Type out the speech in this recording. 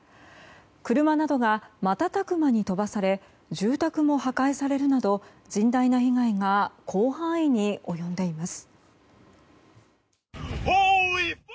車などが瞬く間に飛ばされ住宅も破壊されるなど甚大な被害が広範囲に及んでいます。